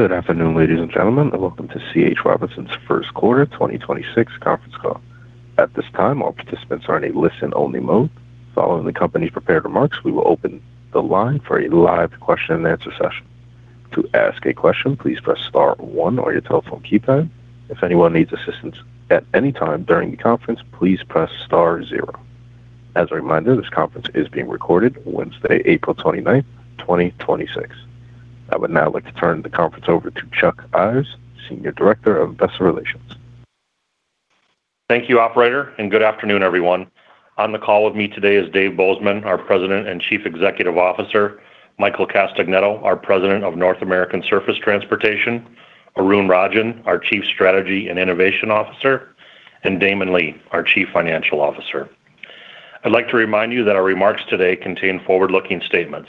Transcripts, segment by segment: Good afternoon, ladies and gentlemen, and welcome to C.H. Robinson's first quarter 2026 conference call. I would now like to turn the conference over to Chuck Ives, Senior Director of Investor Relations. Thank you, operator, and good afternoon, everyone. On the call with me today is Dave Bozeman, our President and Chief Executive Officer, Michael Castagnetto, our President of North American Surface Transportation, Arun Rajan, our Chief Strategy and Innovation Officer, and Damon Lee, our Chief Financial Officer. I'd like to remind you that our remarks today contain forward-looking statements.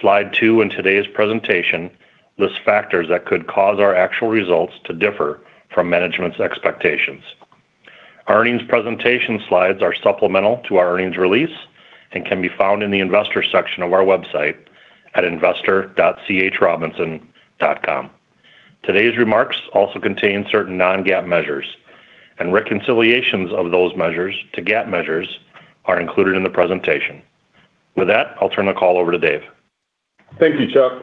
Slide two in today's presentation lists factors that could cause our actual results to differ from management's expectations. Our earnings presentation slides are supplemental to our earnings release and can be found in the investor section of our website at investor.chrobinson.com. Today's remarks also contain certain non-GAAP measures and reconciliations of those measures to GAAP measures are included in the presentation. With that, I'll turn the call over to Dave. Thank you, Chuck.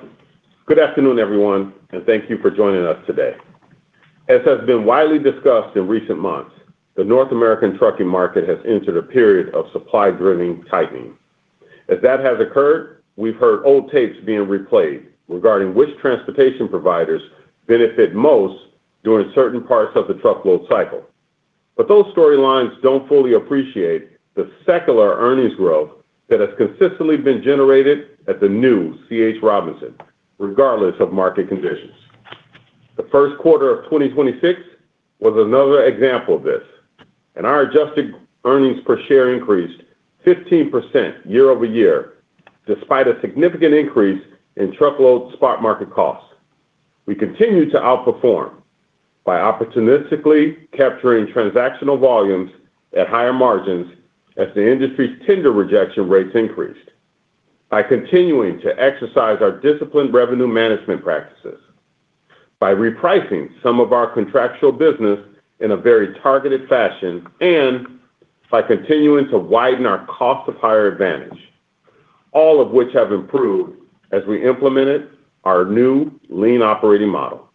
Good afternoon, everyone, and thank you for joining us today. As has been widely discussed in recent months, the North American trucking market has entered a period of supply-driven tightening. As that has occurred, we've heard old tapes being replayed regarding which transportation providers benefit most during certain parts of the truckload cycle. Those storylines don't fully appreciate the secular earnings growth that has consistently been generated at the new C.H. Robinson, regardless of market conditions. The first quarter of 2026 was another example of this, and our adjusted earnings per share increased 15% year-over-year, despite a significant increase in truckload spot market costs. We continue to outperform by opportunistically capturing transactional volumes at higher margins as the industry's tender rejection rates increased. By continuing to exercise our disciplined revenue management practices, by repricing some of our contractual business in a very targeted fashion, and by continuing to widen our cost of hire advantage, all of which have improved as we implemented our new lean operating model.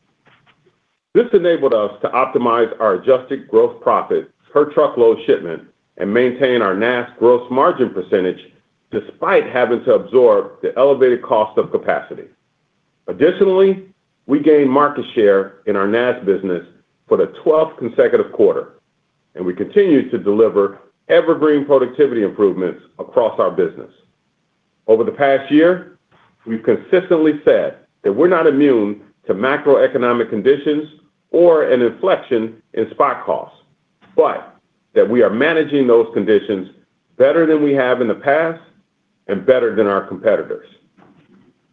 This enabled us to optimize our adjusted gross profit per truckload shipment and maintain our NAST gross margin % despite having to absorb the elevated cost of capacity. Additionally, we gained market share in our NAST business for the 12th consecutive quarter, and we continue to deliver evergreen productivity improvements across our business. Over the past year, we've consistently said that we're not immune to macroeconomic conditions or an inflection in spot costs, but that we are managing those conditions better than we have in the past and better than our competitors.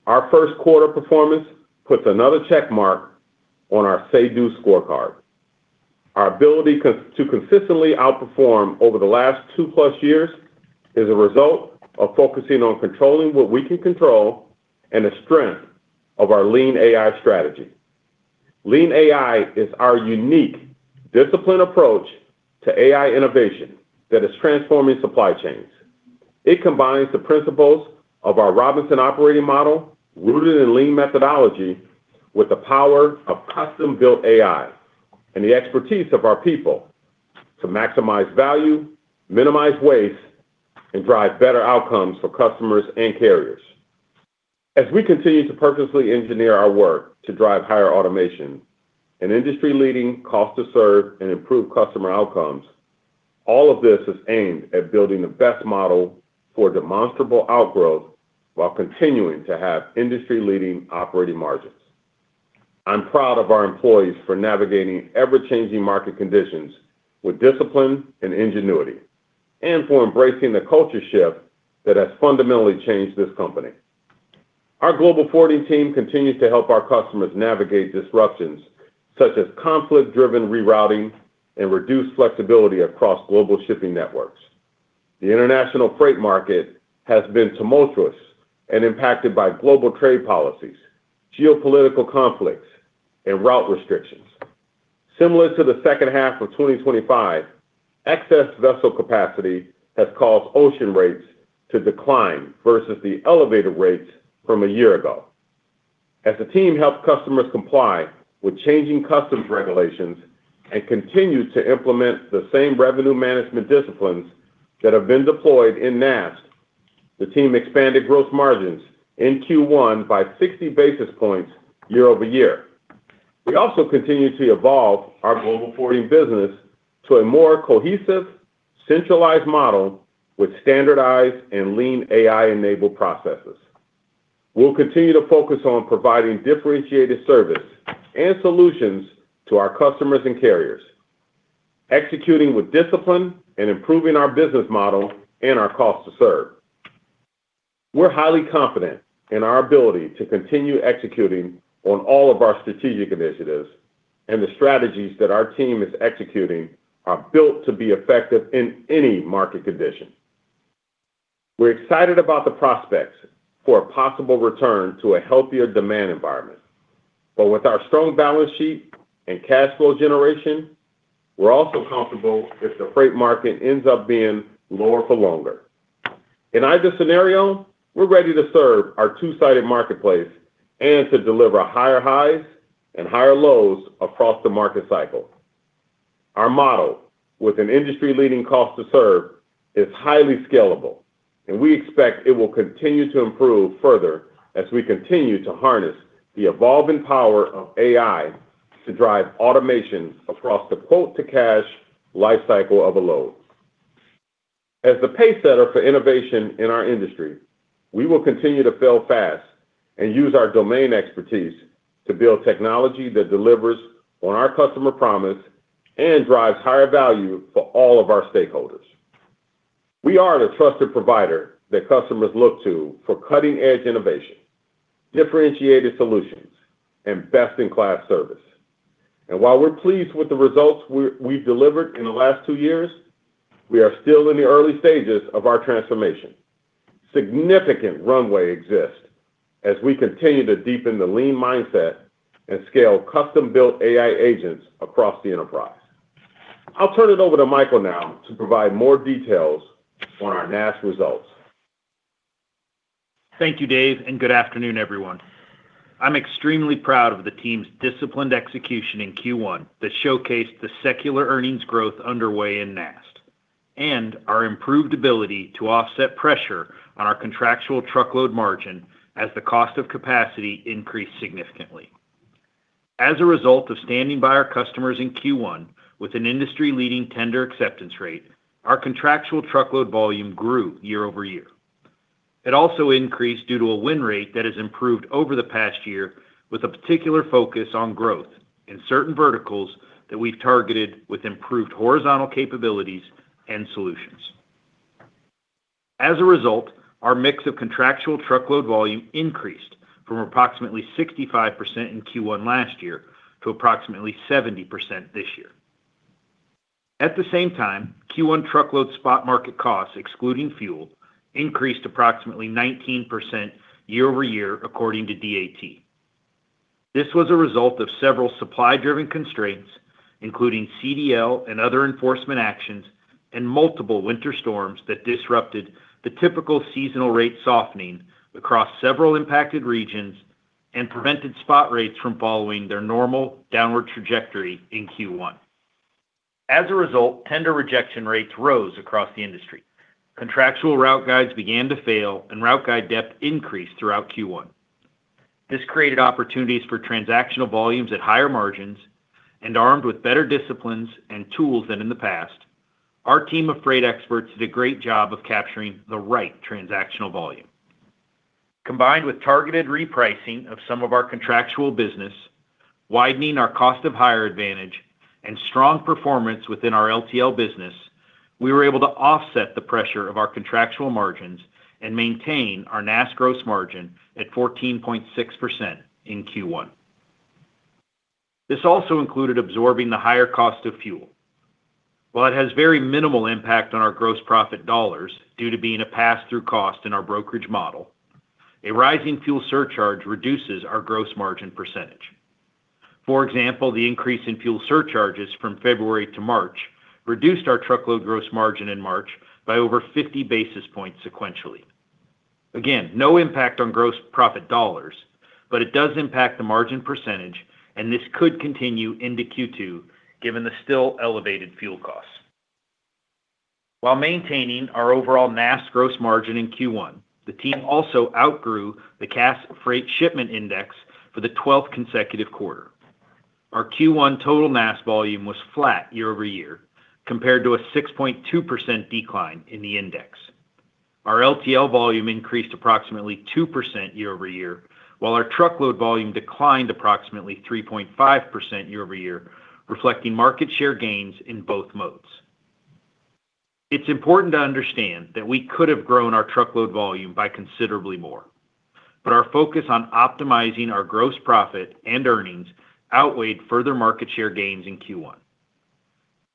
Our first quarter performance puts another check mark on our say-do scorecard. Our ability to consistently outperform over the last two-plus years is a result of focusing on controlling what we can control and the strength of our Lean AI strategy. Lean AI is our unique, disciplined approach to AI innovation that is transforming supply chains. It combines the principles of our Robinson operating model, rooted in lean methodology, with the power of custom-built AI and the expertise of our people to maximize value, minimize waste, and drive better outcomes for customers and carriers. As we continue to purposely engineer our work to drive higher automation and industry-leading cost to serve and improve customer outcomes, all of this is aimed at building the best model for demonstrable outgrowth while continuing to have industry-leading operating margins. I'm proud of our employees for navigating ever-changing market conditions with discipline and ingenuity, and for embracing the culture shift that has fundamentally changed this company. Our global forwarding team continues to help our customers navigate disruptions such as conflict-driven rerouting and reduced flexibility across global shipping networks. The international freight market has been tumultuous and impacted by global trade policies, geopolitical conflicts, and route restrictions. Similar to the second half of 2025, excess vessel capacity has caused ocean rates to decline versus the elevated rates from a year ago. As the team helped customers comply with changing customs regulations and continued to implement the same revenue management disciplines that have been deployed in NAST, the team expanded gross margins in Q1 by 60 basis points year-over-year. We also continue to evolve our global forwarding business to a more cohesive, centralized model with standardized and Lean AI-enabled processes. We'll continue to focus on providing differentiated service and solutions to our customers and carriers, executing with discipline and improving our business model and our cost to serve. We're highly confident in our ability to continue executing on all of our strategic initiatives, and the strategies that our team is executing are built to be effective in any market condition. We're excited about the prospects for a possible return to a healthier demand environment. With our strong balance sheet and cash flow generation, we're also comfortable if the freight market ends up being lower for longer. In either scenario, we're ready to serve our two-sided marketplace and to deliver higher highs and higher lows across the market cycle. Our model, with an industry-leading cost to serve, is highly scalable, and we expect it will continue to improve further as we continue to harness the evolving power of AI to drive automation across the quote-to-cash life cycle of a load. As the pacesetter for innovation in our industry, we will continue to fail fast and use our domain expertise to build technology that delivers on our customer promise and drives higher value for all of our stakeholders. We are the trusted provider that customers look to for cutting-edge innovation, differentiated solutions, and best-in-class service. While we're pleased with the results we've delivered in the last two years, we are still in the early stages of our transformation. Significant runway exists as we continue to deepen the lean mindset and scale custom-built AI agents across the enterprise. I'll turn it over to Michael now to provide more details on our NAST results. Thank you, Dave, good afternoon, everyone. I'm extremely proud of the team's disciplined execution in Q1 that showcased the secular earnings growth underway in NAST, and our improved ability to offset pressure on our contractual truckload margin as the cost of capacity increased significantly. As a result of standing by our customers in Q1 with an industry-leading tender acceptance rate, our contractual truckload volume grew year-over-year. It also increased due to a win rate that has improved over the past year with a particular focus on growth in certain verticals that we've targeted with improved horizontal capabilities and solutions. As a result, our mix of contractual truckload volume increased from approximately 65% in Q1 last year to approximately 70% this year. At the same time, Q1 truckload spot market costs, excluding fuel, increased approximately 19% year-over-year according to DAT. This was a result of several supply-driven constraints, including CDL and other enforcement actions, and multiple winter storms that disrupted the typical seasonal rate softening across several impacted regions and prevented spot rates from following their normal downward trajectory in Q1. As a result, tender rejection rates rose across the industry. Contractual route guides began to fail, and route guide depth increased throughout Q1. This created opportunities for transactional volumes at higher margins, Armed with better disciplines and tools than in the past, our team of freight experts did a great job of capturing the right transactional volume. Combined with targeted repricing of some of our contractual business, widening our cost of hire advantage, and strong performance within our LTL business, we were able to offset the pressure of our contractual margins and maintain our NAST gross margin at 14.6% in Q1. This also included absorbing the higher cost of fuel. While it has very minimal impact on our gross profit dollars due to being a pass-through cost in our brokerage model, a rising fuel surcharge reduces our gross margin percentage. For example, the increase in fuel surcharges from February to March reduced our truckload gross margin in March by over 50 basis points sequentially. Again, no impact on gross profit dollars, but it does impact the margin percentage, and this could continue into Q2, given the still elevated fuel costs. While maintaining our overall NAS gross margin in Q1, the team also outgrew the Cass Freight Shipment Index for the 12th consecutive quarter. Our Q1 total NAS volume was flat year-over-year compared to a 6.2% decline in the index. Our LTL volume increased approximately 2% year-over-year, while our truckload volume declined approximately 3.5% year-over-year, reflecting market share gains in both modes. It's important to understand that we could have grown our truckload volume by considerably more, but our focus on optimizing our gross profit and earnings outweighed further market share gains in Q1.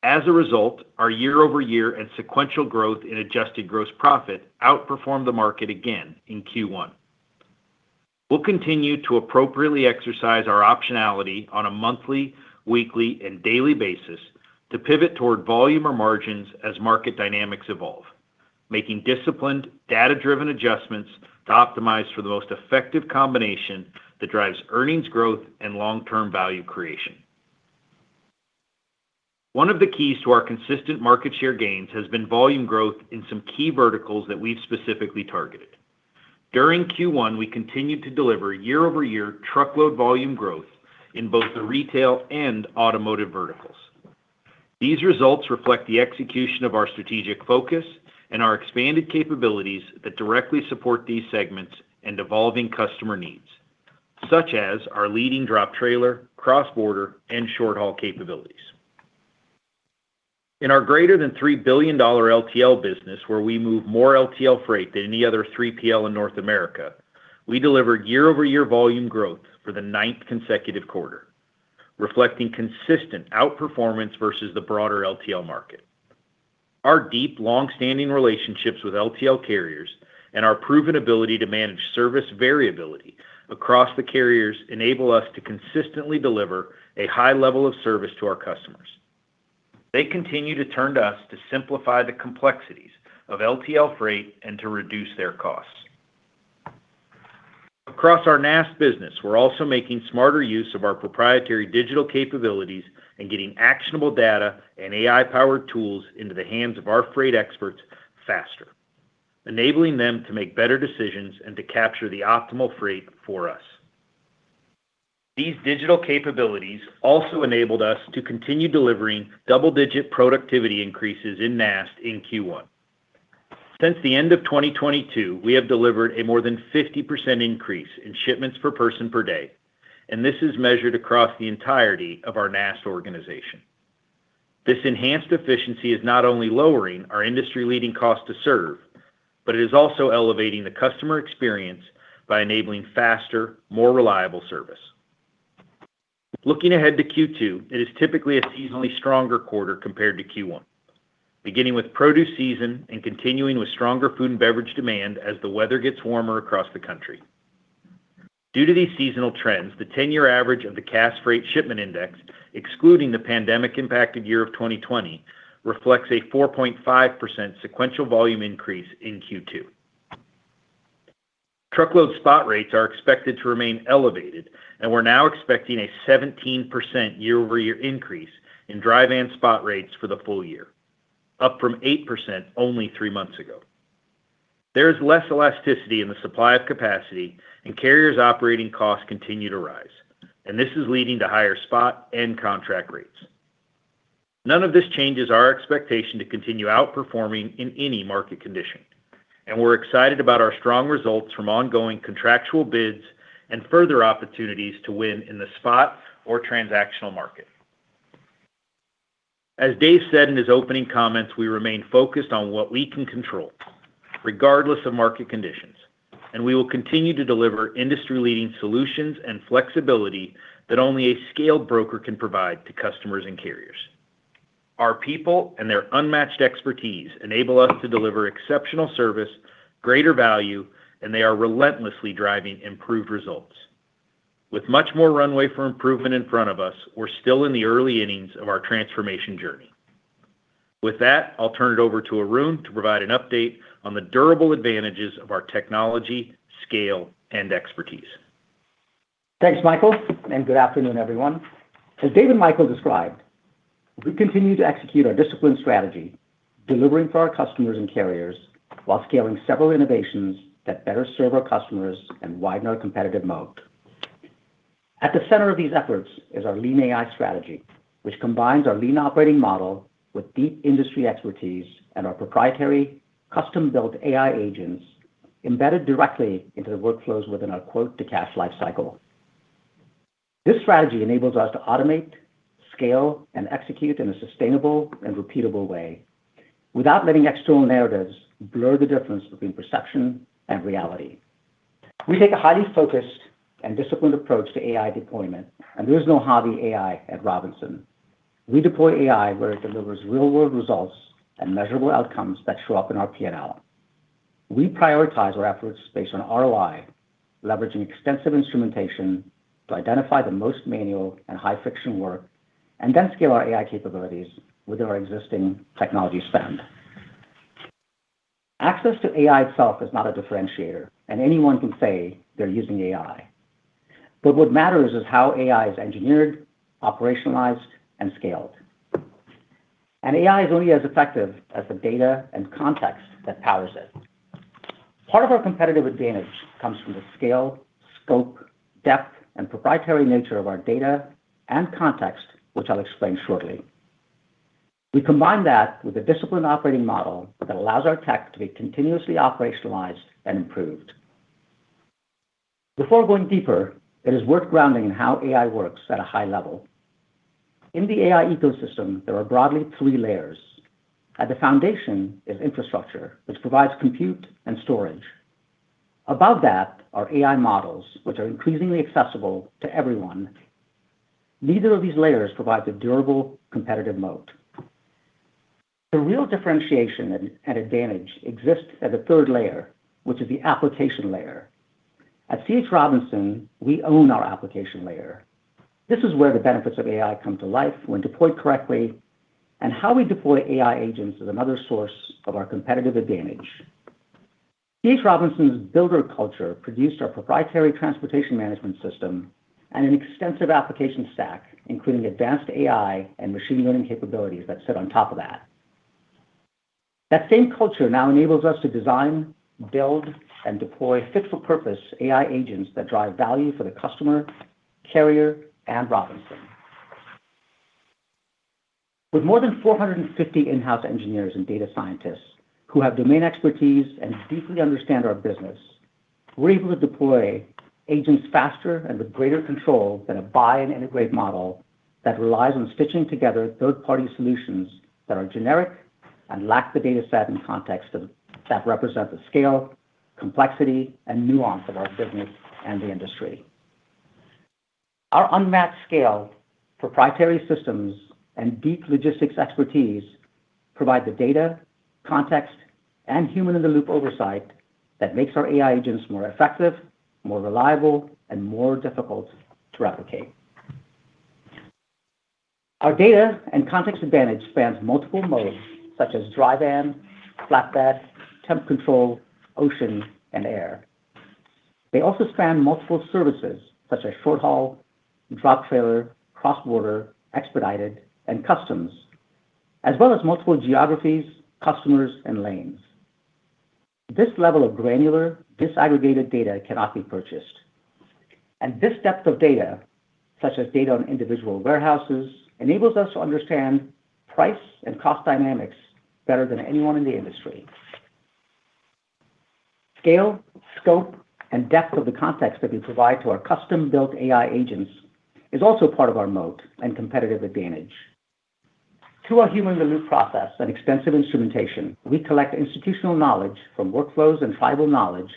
As a result, our year-over-year and sequential growth in adjusted gross profit outperformed the market again in Q1. We'll continue to appropriately exercise our optionality on a monthly, weekly, and daily basis to pivot toward volume or margins as market dynamics evolve, making disciplined, data-driven adjustments to optimize for the most effective combination that drives earnings growth and long-term value creation. One of the keys to our consistent market share gains has been volume growth in some key verticals that we've specifically targeted. During Q1, we continued to deliver year-over-year truckload volume growth in both the retail and automotive verticals. These results reflect the execution of our strategic focus and our expanded capabilities that directly support these segments and evolving customer needs, such as our leading drop trailer, cross-border, and short-haul capabilities. In our greater than $3 billion LTL business, where we move more LTL freight than any other 3PL in North America, we delivered year-over-year volume growth for the ninth consecutive quarter. Reflecting consistent outperformance versus the broader LTL market. Our deep, long-standing relationships with LTL carriers and our proven ability to manage service variability across the carriers enable us to consistently deliver a high level of service to our customers. They continue to turn to us to simplify the complexities of LTL freight and to reduce their costs. Across our NAST business, we're also making smarter use of our proprietary digital capabilities and getting actionable data and AI-powered tools into the hands of our freight experts faster, enabling them to make better decisions and to capture the optimal freight for us. These digital capabilities also enabled us to continue delivering double-digit productivity increases in NAST in Q1. Since the end of 2022, we have delivered a more than 50% increase in shipments per person per day, and this is measured across the entirety of our NAST organization. This enhanced efficiency is not only lowering our industry-leading cost to serve, but it is also elevating the customer experience by enabling faster, more reliable service. Looking ahead to Q2, it is typically a seasonally stronger quarter compared to Q1, beginning with produce season and continuing with stronger food and beverage demand as the weather gets warmer across the country. Due to these seasonal trends, the 10-year average of the Cass Freight Shipment Index, excluding the pandemic-impacted year of 2020, reflects a 4.5% sequential volume increase in Q2. Truckload spot rates are expected to remain elevated. We're now expecting a 17% year-over-year increase in dry van spot rates for the full year, up from 8% only three months ago. There is less elasticity in the supply of capacity and carriers operating costs continue to rise. This is leading to higher spot and contract rates. None of this changes our expectation to continue outperforming in any market condition, and we're excited about our strong results from ongoing contractual bids and further opportunities to win in the spot or transactional market. As Dave said in his opening comments, we remain focused on what we can control regardless of market conditions, and we will continue to deliver industry-leading solutions and flexibility that only a scaled broker can provide to customers and carriers. Our people and their unmatched expertise enable us to deliver exceptional service, greater value, and they are relentlessly driving improved results. With much more runway for improvement in front of us, we're still in the early innings of our transformation journey. With that, I'll turn it over to Arun to provide an update on the durable advantages of our technology, scale, and expertise. Thanks, Michael. Good afternoon, everyone. As Dave and Michael described, we continue to execute our disciplined strategy, delivering for our customers and carriers while scaling several innovations that better serve our customers and widen our competitive moat. At the center of these efforts is our Lean AI strategy, which combines our lean operating model with deep industry expertise and our proprietary custom-built AI agents embedded directly into the workflows within our quote-to-cash life cycle. This strategy enables us to automate, scale, and execute in a sustainable and repeatable way without letting external narratives blur the difference between perception and reality. We take a highly focused and disciplined approach to AI deployment. There is no hobby AI at Robinson. We deploy AI where it delivers real-world results and measurable outcomes that show up in our P&L. We prioritize our efforts based on ROI, leveraging extensive instrumentation to identify the most manual and high-friction work, then scale our AI capabilities within our existing technology spend. Access to AI itself is not a differentiator, anyone can say they're using AI. What matters is how AI is engineered, operationalized, and scaled. AI is only as effective as the data and context that powers it. Part of our competitive advantage comes from the scale, scope, depth, and proprietary nature of our data and context, which I'll explain shortly. We combine that with a disciplined operating model that allows our tech to be continuously operationalized and improved. Before going deeper, it is worth grounding in how AI works at a high level. In the AI ecosystem, there are broadly three layers. At the foundation is infrastructure, which provides compute and storage. Above that, are AI models, which are increasingly accessible to everyone. Neither of these layers provides a durable competitive moat. The real differentiation and advantage exists as a third layer, which is the application layer. At C.H. Robinson, we own our application layer. This is where the benefits of AI come to life when deployed correctly, and how we deploy AI agents is another source of our competitive advantage. C.H. Robinson's builder culture produced our proprietary transportation management system and an extensive application stack, including advanced AI and machine learning capabilities that sit on top of that. That same culture now enables us to design, build, and deploy fit-for-purpose AI agents that drive value for the customer, carrier, and Robinson. With more than 450 in-house engineers and data scientists who have domain expertise and deeply understand our business, we're able to deploy agents faster and with greater control than a buy and integrate model that relies on stitching together third-party solutions that are generic and lack the dataset and context that represent the scale, complexity and nuance of our business and the industry. Our unmatched scale, proprietary systems, and deep logistics expertise provide the data, context, and human-in-the-loop oversight that makes our AI agents more effective, more reliable, and more difficult to replicate. Our data and context advantage spans multiple modes such as dry van, flatbed, temperature control, ocean, and air. They also span multiple services such as short haul, drop trailer, cross-border, expedited, and customs, as well as multiple geographies, customers, and lanes. This level of granular disaggregated data cannot be purchased. This depth of data, such as data on individual warehouses, enables us to understand price and cost dynamics better than anyone in the industry. Scale, scope, and depth of the context that we provide to our custom-built AI agents is also part of our moat and competitive advantage. Through our human-in-the-loop process and extensive instrumentation, we collect institutional knowledge from workflows and tribal knowledge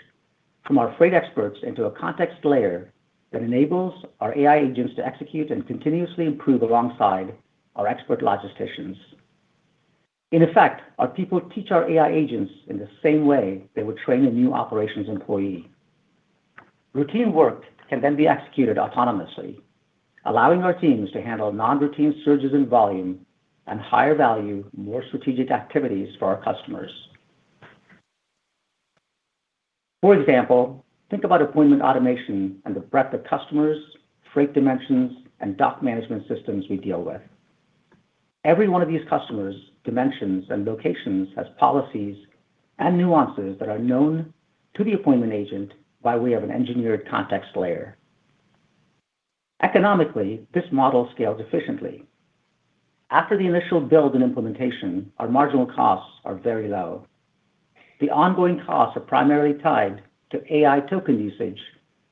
from our freight experts into a context layer that enables our AI agents to execute and continuously improve alongside our expert logisticians. In effect, our people teach our AI agents in the same way they would train a new operations employee. Routine work can then be executed autonomously, allowing our teams to handle non-routine surges in volume and higher value, more strategic activities for our customers. For example, think about appointment automation and the breadth of customers, freight dimensions, and dock management systems we deal with. Every one of these customers dimensions and locations has policies and nuances that are known to the appointment agent by way of an engineered context layer. Economically, this model scales efficiently. After the initial build and implementation, our marginal costs are very low. The ongoing costs are primarily tied to AI token usage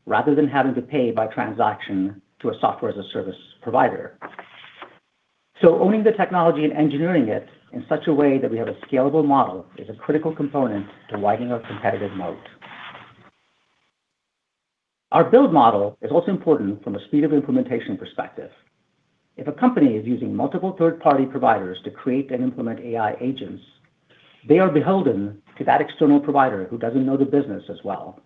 rather than having to pay by transaction to a software as a service provider. Owning the technology and engineering it in such a way that we have a scalable model is a critical component to widening our competitive moat. Our build model is also important from a speed of implementation perspective. If a company is using multiple third-party providers to create and implement AI agents, they are beholden to that external provider who doesn't know the business as well.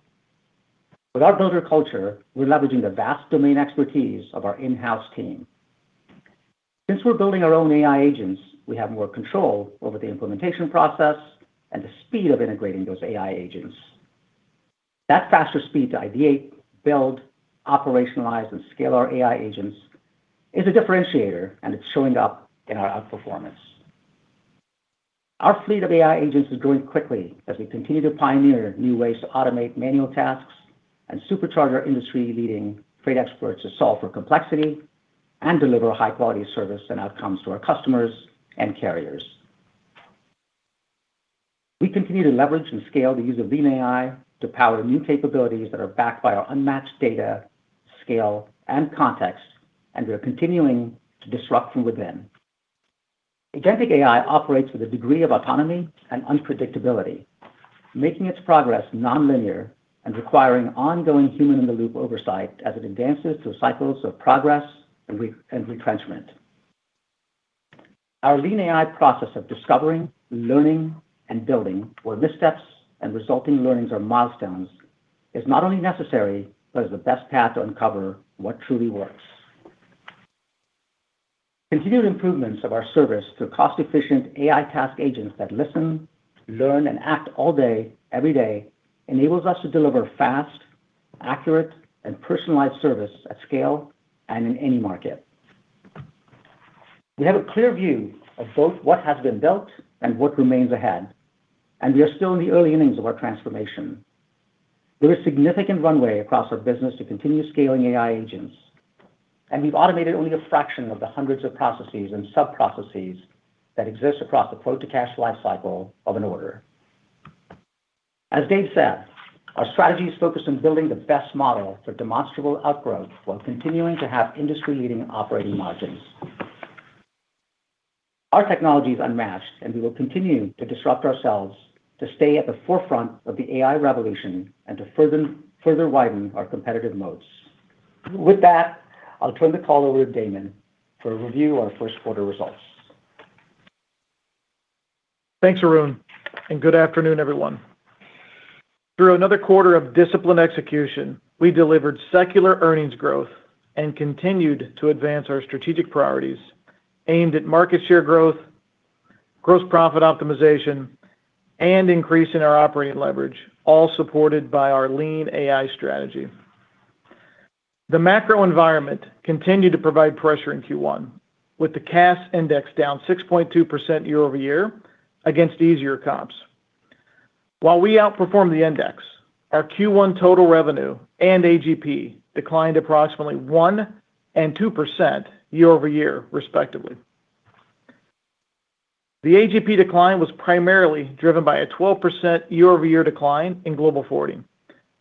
With our builder culture, we're leveraging the vast domain expertise of our in-house team. Since we're building our own AI agents, we have more control over the implementation process and the speed of integrating those AI agents. That faster speed to ideate, build, operationalize, and scale our AI agents is a differentiator, and it's showing up in our outperformance. Our fleet of AI agents is growing quickly as we continue to pioneer new ways to automate manual tasks and supercharge our industry-leading freight experts to solve for complexity and deliver high-quality service and outcomes to our customers and carriers. We continue to leverage and scale the use of Lean AI to power new capabilities that are backed by our unmatched data, scale, and context. We are continuing to disrupt from within. Agentic AI operates with a degree of autonomy and unpredictability, making its progress nonlinear and requiring ongoing human-in-the-loop oversight as it advances through cycles of progress and retrenchment. Our Lean AI process of discovering, learning, and building where missteps and resulting learnings are milestones is not only necessary, but is the best path to uncover what truly works. Continued improvements of our service through cost-efficient AI task agents that listen, learn, and act all day, every day enables us to deliver fast, accurate, and personalized service at scale and in any market. We have a clear view of both what has been built and what remains ahead, and we are still in the early innings of our transformation. There is significant runway across our business to continue scaling AI agents, and we've automated only a fraction of the hundreds of processes and sub-processes that exist across the quote-to-cash life cycle of an order. As Dave said, our strategy is focused on building the best model for demonstrable outgrowth while continuing to have industry-leading operating margins. Our technology is unmatched, and we will continue to disrupt ourselves to stay at the forefront of the AI revolution and to further widen our competitive moats. With that, I'll turn the call over to Damon for a review of our first quarter results. Thanks, Arun, good afternoon, everyone. Through another quarter of disciplined execution, we delivered secular earnings growth and continued to advance our strategic priorities aimed at market share growth, gross profit optimization, and increasing our operating leverage, all supported by our Lean AI strategy. The macro environment continued to provide pressure in Q1, with the Cass index down 6.2% year-over-year against easier comps. While we outperformed the index, our Q1 total revenue and AGP declined approximately 1% and 2% year-over-year, respectively. The AGP decline was primarily driven by a 12% year-over-year decline in Global Forwarding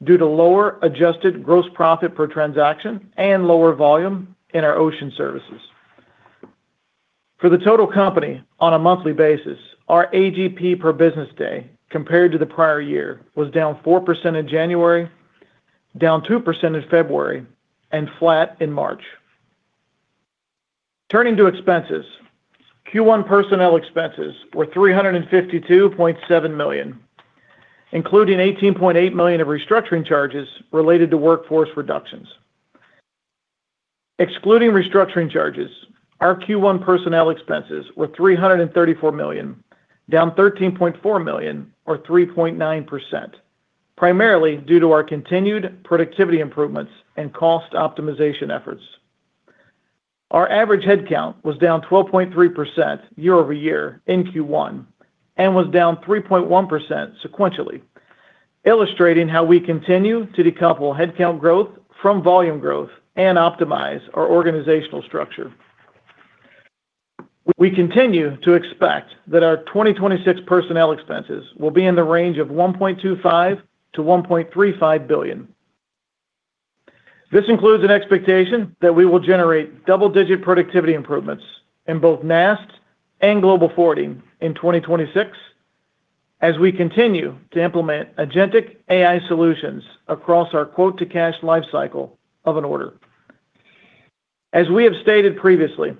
due to lower adjusted gross profit per transaction and lower volume in our ocean services. For the total company on a monthly basis, our AGP per business day compared to the prior year was down 4% in January, down 2% in February, and flat in March. Turning to expenses, Q1 personnel expenses were $352.7 million, including $18.8 million of restructuring charges related to workforce reductions. Excluding restructuring charges, our Q1 personnel expenses were $334 million, down $13.4 million or 3.9%, primarily due to our continued productivity improvements and cost optimization efforts. Our average headcount was down 12.3% year-over-year in Q1 and was down 3.1% sequentially, illustrating how we continue to decouple headcount growth from volume growth and optimize our organizational structure. We continue to expect that our 2026 personnel expenses will be in the range of $1.25 billion-$1.35 billion. This includes an expectation that we will generate double-digit productivity improvements in both NAST and Global Forwarding in 2026 as we continue to implement agentic AI solutions across our quote-to-cash life cycle of an order. As we have stated previously,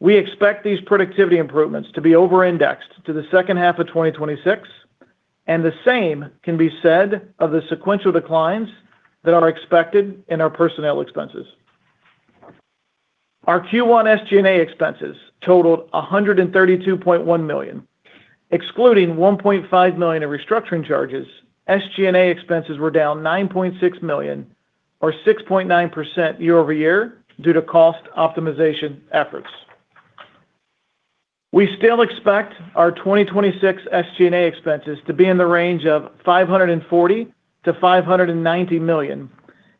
we expect these productivity improvements to be over-indexed to the second half of 2026, and the same can be said of the sequential declines that are expected in our personnel expenses. Our Q1 SG&A expenses totaled $132.1 million. Excluding $1.5 million in restructuring charges, SG&A expenses were down $9.6 million or 6.9% year-over-year due to cost optimization efforts. We still expect our 2026 SG&A expenses to be in the range of $540 million-$590 million,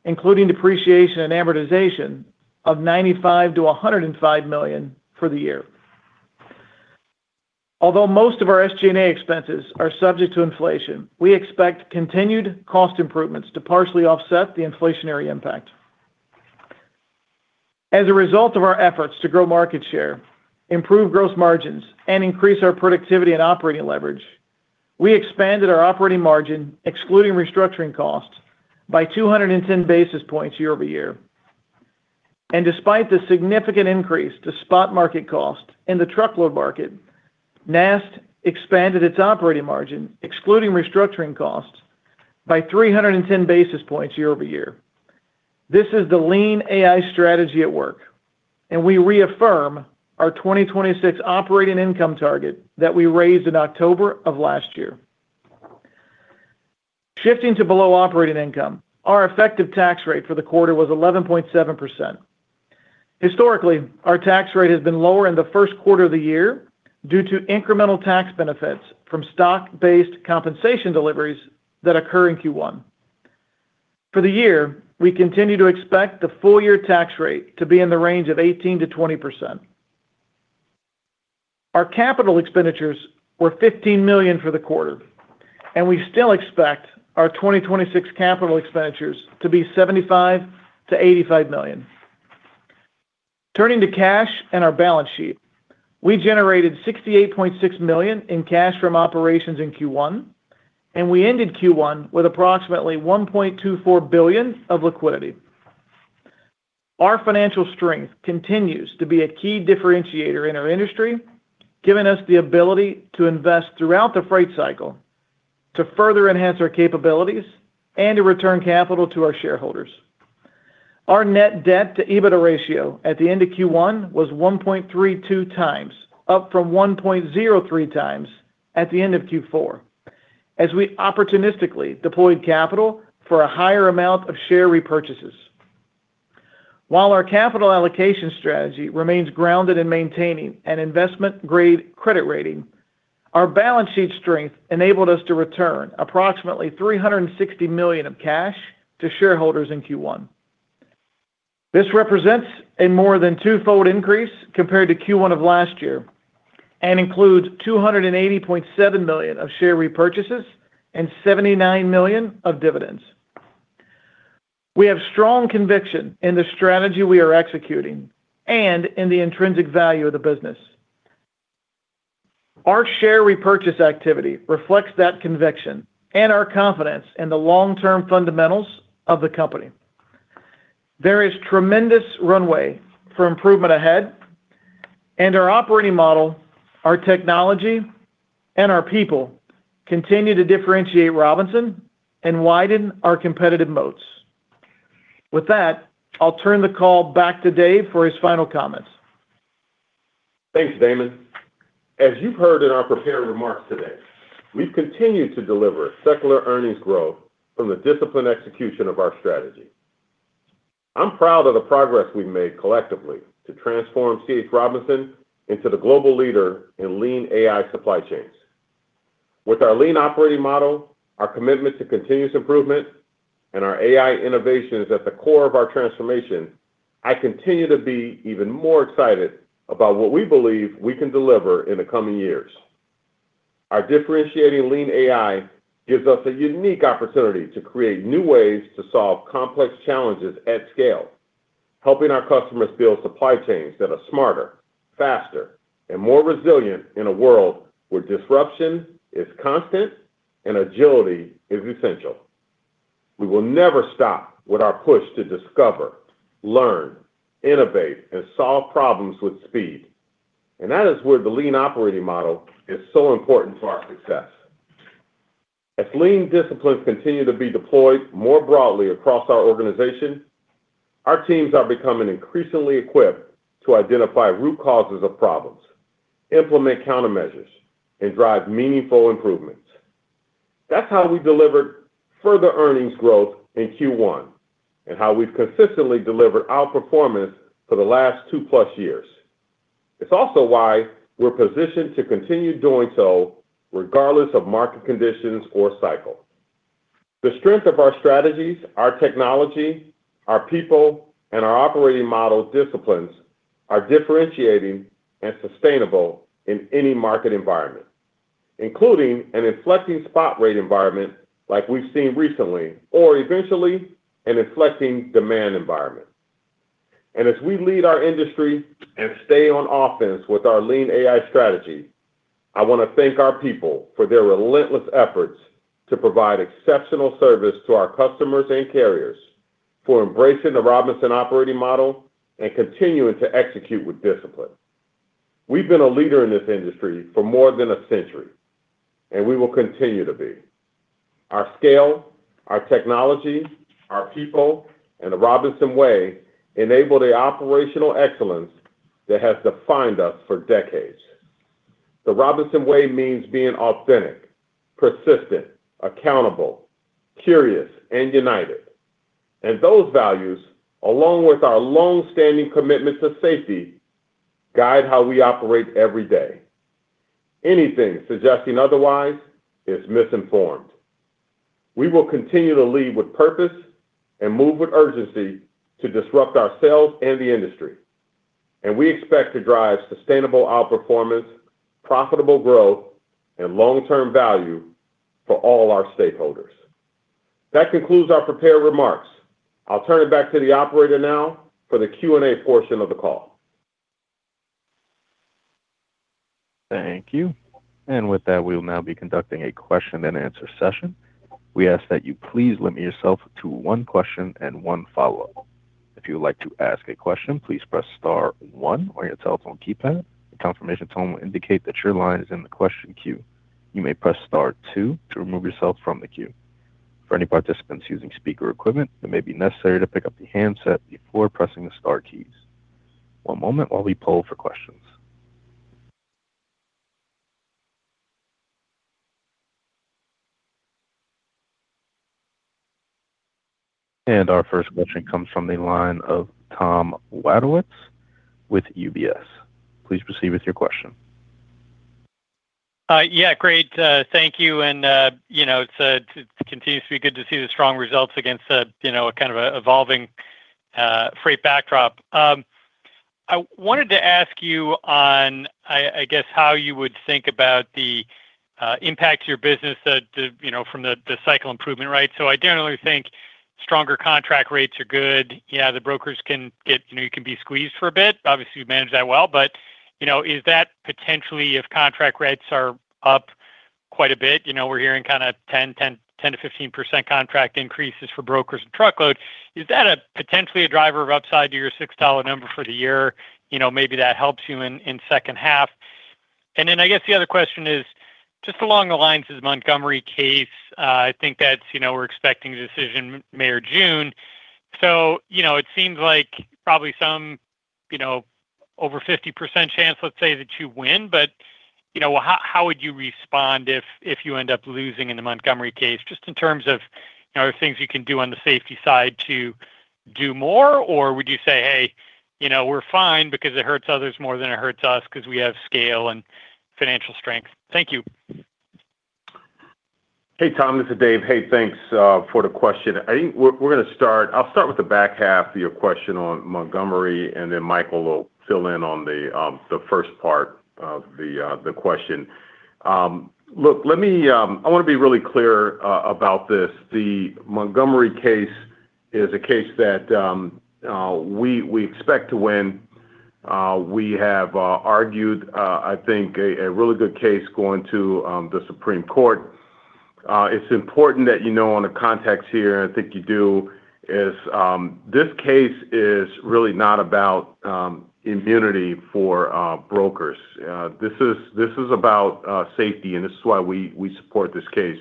including depreciation and amortization of $95 million-$105 million for the year. Although most of our SG&A expenses are subject to inflation, we expect continued cost improvements to partially offset the inflationary impact. As a result of our efforts to grow market share, improve gross margins, and increase our productivity and operating leverage, we expanded our operating margin, excluding restructuring costs, by 210 basis points year-over-year. Despite the significant increase to spot market cost in the truckload market, NAST expanded its operating margin, excluding restructuring costs, by 310 basis points year-over-year. This is the Lean AI strategy at work, and we reaffirm our 2026 operating income target that we raised in October of last year. Shifting to below operating income, our effective tax rate for the quarter was 11.7%. Historically, our tax rate has been lower in the first quarter of the year due to incremental tax benefits from stock-based compensation deliveries that occur in Q1. For the year, we continue to expect the full year tax rate to be in the range of 18%-20%. Our capital expenditures were $15 million for the quarter, and we still expect our 2026 capital expenditures to be $75 million-$85 million. Turning to cash and our balance sheet, we generated $68.6 million in cash from operations in Q1, and we ended Q1 with approximately $1.24 billion of liquidity. Our financial strength continues to be a key differentiator in our industry, giving us the ability to invest throughout the freight cycle to further enhance our capabilities and to return capital to our shareholders. Our net debt to EBITDA ratio at the end of Q1 was 1.32x, up from 1.03x at the end of Q4, as we opportunistically deployed capital for a higher amount of share repurchases. While our capital allocation strategy remains grounded in maintaining an investment-grade credit rating, our balance sheet strength enabled us to return approximately $360 million of cash to shareholders in Q1. This represents a more than two-fold increase compared to Q1 of last year and includes $280.7 million of share repurchases and $79 million of dividends. We have strong conviction in the strategy we are executing and in the intrinsic value of the business. Our share repurchase activity reflects that conviction and our confidence in the long-term fundamentals of the company. There is tremendous runway for improvement ahead, and our operating model, our technology, and our people continue to differentiate Robinson and widen our competitive moats. With that, I'll turn the call back to Dave for his final comments. Thanks, Damon. As you've heard in our prepared remarks today, we've continued to deliver secular earnings growth from the disciplined execution of our strategy. I'm proud of the progress we've made collectively to transform C.H. Robinson into the global leader in Lean AI supply chains. With our lean operating model, our commitment to continuous improvement, and our AI innovations at the core of our transformation, I continue to be even more excited about what we believe we can deliver in the coming years. Our differentiating Lean AI gives us a unique opportunity to create new ways to solve complex challenges at scale, helping our customers build supply chains that are smarter, faster, and more resilient in a world where disruption is constant and agility is essential. We will never stop with our push to discover, learn, innovate, and solve problems with speed. That is where the Lean operating model is so important to our success. Lean disciplines continue to be deployed more broadly across our organization, our teams are becoming increasingly equipped to identify root causes of problems, implement countermeasures, and drive meaningful improvements. That's how we delivered further earnings growth in Q1, and how we've consistently delivered outperformance for the last two-plus years. It's also why we're positioned to continue doing so regardless of market conditions or cycle. The strength of our strategies, our technology, our people, and our operating model disciplines are differentiating and sustainable in any market environment, including an inflecting spot rate environment like we've seen recently, or eventually an inflecting demand environment. As we lead our industry and stay on offense with our Lean AI strategy, I want to thank our people for their relentless efforts to provide exceptional service to our customers and carriers, for embracing the Robinson operating model and continuing to execute with discipline. We've been a leader in this industry for more than a century, and we will continue to be. Our scale, our technology, our people, and The Robinson Way enable the operational excellence that has defined us for decades. The Robinson Way means being authentic, persistent, accountable, curious, and united. Those values, along with our longstanding commitment to safety, guide how we operate every day. Anything suggesting otherwise is misinformed. We will continue to lead with purpose and move with urgency to disrupt ourselves and the industry. We expect to drive sustainable outperformance, profitable growth, and long-term value for all our stakeholders. That concludes our prepared remarks. I'll turn it back to the operator now for the Q&A portion of the call. Thank you. With that, we will now be conducting a question-and-answer session. We ask that you please limit yourself to one question and one follow-up. If you would like to ask a question, please Press Star one on your telephone keypad. A confirmation tone will indicate that your line is in the question queue. You may Press Star two to remove yourself from the queue. For any participants using speaker equipment, it may be necessary to pick up the handset before pressing the star keys. one moment while we poll for questions. Our first question comes from the line of Tom Wadewitz with UBS. Please proceed with your question. Yeah, great. Thank you. You know, it continues to be good to see the strong results against, you know, a kind of evolving freight backdrop. I wanted to ask you on, I guess, how you would think about the impact to your business, you know, from the cycle improvement rates. I generally think stronger contract rates are good. Yeah, the brokers can get, you know, can be squeezed for a bit. Obviously, you've managed that well. You know, is that potentially if contract rates are up quite a bit, you know, we're hearing kind of 10%-15% contract increases for brokers and truckload. Is that potentially a driver of upside to your $6 number for the year? You know, maybe that helps you in second half. I guess the other question is just along the lines of the Montgomery case. I think that's, you know, we're expecting a decision May or June. It seems like probably some, you know, over 50% chance, let's say, that you win. How would you respond if you end up losing in the Montgomery case, just in terms of, you know, are there things you can do on the safety side to do more? Would you say, "Hey, you know, we're fine because it hurts others more than it hurts us because we have scale and financial strength"? Thank you. Hey, Tom, this is Dave. Hey, thanks for the question. I'll start with the back half of your question on Montgomery, and then Michael will fill in on the first part of the question. Look, let me. I want to be really clear about this. The Montgomery case is a case that we expect to win. We have argued, I think, a really good case going to the Supreme Court. It's important that you know on the context here, and I think you do, is this case is really not about immunity for brokers. This is about safety, and this is why we support this case.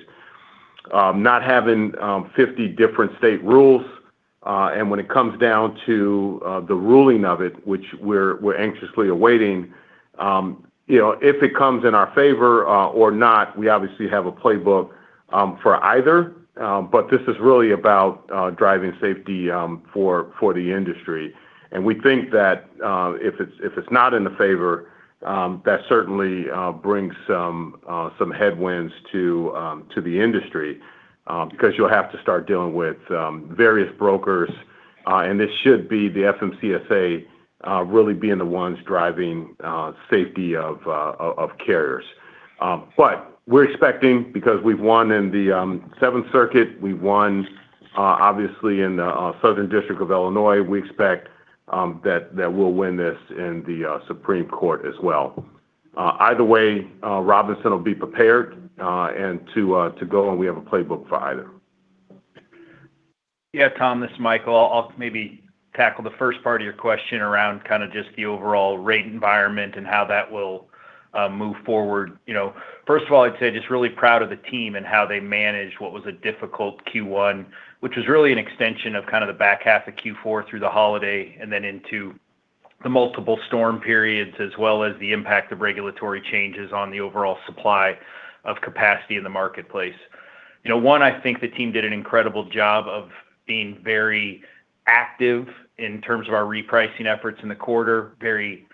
Not having 50 different state rules, and when it comes down to the ruling of it, which we're anxiously awaiting, you know, if it comes in our favor or not, we obviously have a playbook for either. This is really about driving safety for the industry. We think that if it's not in the favor, that certainly brings some headwinds to the industry. You'll have to start dealing with various brokers. This should be the FMCSA really being the ones driving safety of carriers. We're expecting, because we've won in the Seventh Circuit, we won obviously in the Southern District of Illinois. We expect that we'll win this in the Supreme Court as well. Either way, Robinson will be prepared and to go, and we have a playbook for either. Yeah, Tom, this is Michael. I'll maybe tackle the first part of your question around kind of just the overall rate environment and how that will move forward. You know, first of all, I'd say just really proud of the team and how they managed what was a difficult Q1, which was really an extension of kind of the back half of Q4 through the holiday and then into the multiple storm periods, as well as the impact of regulatory changes on the overall supply of capacity in the marketplace. You know, one, I think the team did an incredible job of being very active in terms of our repricing efforts in the quarter, very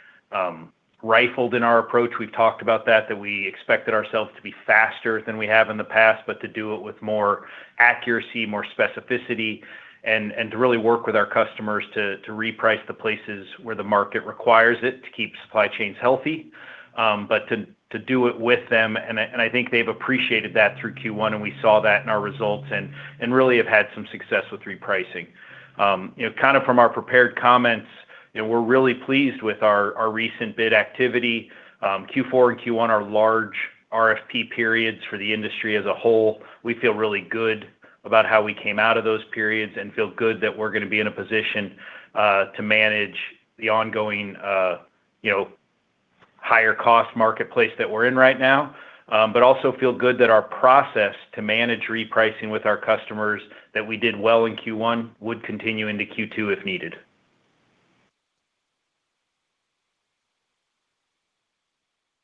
rifled in our approach. We've talked about that we expected ourselves to be faster than we have in the past, but to do it with more accuracy, more specificity and to really work with our customers to reprice the places where the market requires it to keep supply chains healthy, but to do it with them. I think they've appreciated that through Q1. We saw that in our results and really have had some success with repricing. Kind of from our prepared comments, we're really pleased with our recent bid activity. Q4 and Q1 are large RFP periods for the industry as a whole. We feel really good about how we came out of those periods and feel good that we're going to be in a position to manage the ongoing, you know, higher cost marketplace that we're in right now. Also feel good that our process to manage repricing with our customers that we did well in Q1 would continue into Q2 if needed.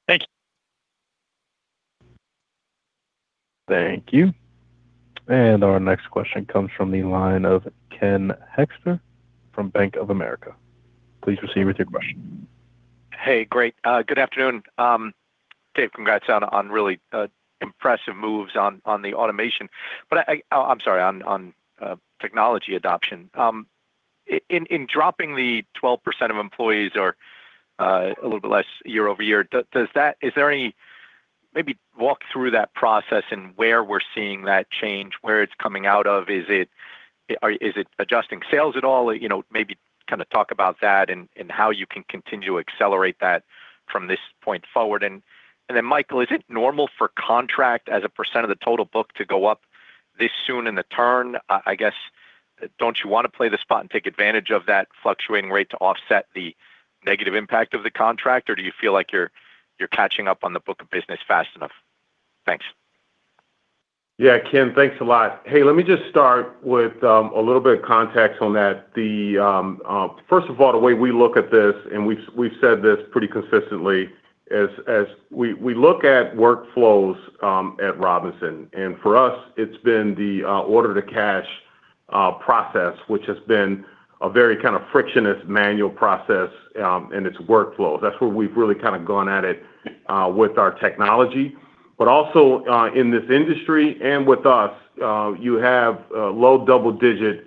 Thank you. Thank you. Our next question comes from the line of Ken Hoexter from Bank of America. Please proceed with your question. Hey, great. Good afternoon. Dave, congrats on really impressive moves on the automation. I'm sorry, on technology adoption. In dropping the 12% of employees or a little bit less year-over-year, maybe walk through that process and where we're seeing that change, where it's coming out of. Is it adjusting sales at all? You know, maybe kind of talk about that and how you can continue to accelerate that from this point forward. Michael, is it normal for contract as a percent of the total book to go up this soon in the turn? I guess, don't you want to play the spot and take advantage of that fluctuating rate to offset the negative impact of the contract? Do you feel like you're catching up on the book of business fast enough? Thanks. Yeah, Ken, thanks a lot. Hey, let me just start with a little bit of context on that. First of all, the way we look at this, and we've said this pretty consistently as we look at workflows at Robinson, and for us, it's been the order to cash process, which has been a very kind of frictionless manual process and its workflows. That's where we've really kind of gone at it with our technology. Also, in this industry and with us, you have low double-digit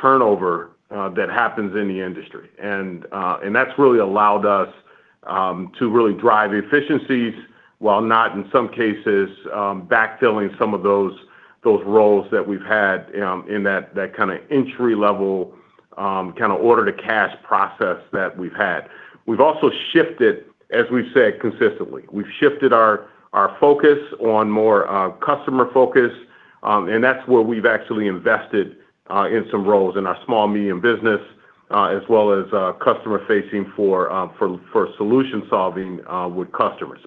turnover that happens in the industry. That's really allowed us to really drive efficiencies while not, in some cases, backfilling some of those roles that we've had in that kind entry-level kind of order to cash process that we've had. We've also shifted, as we've said consistently, we've shifted our focus on more customer focus. That's where we've actually invested in some roles in our small medium business, as well as customer facing for solution solving with customers.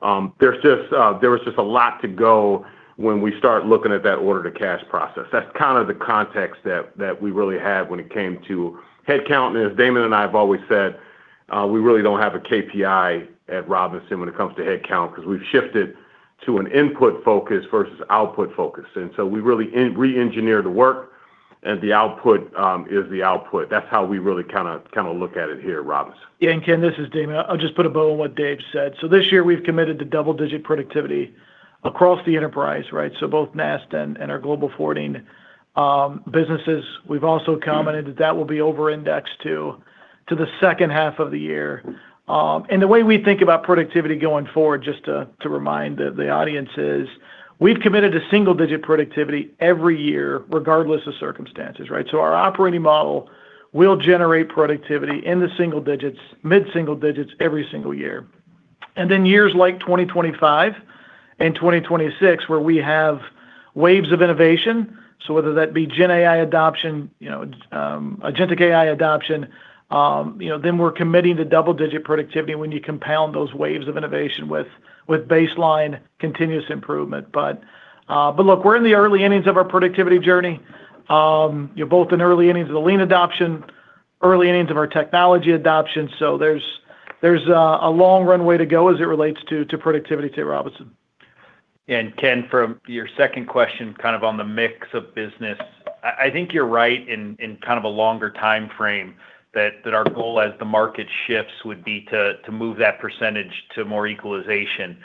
There was just a lot to go when we start looking at that order to cash process. That's kind of the context that we really had when it came to headcount. As Damon and I have always said, we really don't have a KPI at C.H. Robinson when it comes to headcount because we've shifted to an input focus versus output focus. We really re-engineer the work and the output is the output. That's how we really kind of look at it here at C.H. Robinson. Ken, this is Damon. I'll just put a bow on what Dave said. This year, we've committed to double-digit productivity across the enterprise, right? Both NAST and our global forwarding businesses. We've also commented that will be over-indexed to the second half of the year. The way we think about productivity going forward, just to remind the audience, is we've committed to single-digit productivity every year, regardless of circumstances, right? Our operating model will generate productivity in the single digits, mid-single digits every single year. Years like 2025 and 2026, where we have waves of innovation. Whether that be GenAI adoption, you know, agentic AI adoption, you know, we're committing to double-digit productivity when you compound those waves of innovation with baseline continuous improvement. Look, we're in the early innings of our productivity journey. You're both in early innings of the Lean adoption, early innings of our technology adoption. There's a long runway to go as it relates to productivity at Robinson. Ken, from your second question, kind of on the mix of business, I think you're right in kind of a longer timeframe that our goal as the market shifts would be to move that percentage to more equalization.